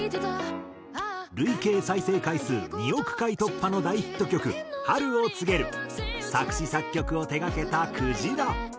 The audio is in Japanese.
累計再生回数２億回突破の大ヒット曲『春を告げる』作詞作曲を手がけたくじら。